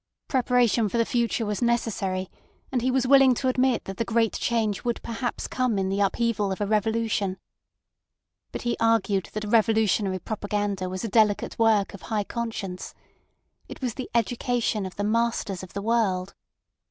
Preparation for the future was necessary, and he was willing to admit that the great change would perhaps come in the upheaval of a revolution. But he argued that revolutionary propaganda was a delicate work of high conscience. It was the education of the masters of the world.